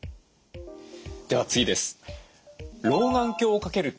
では次です。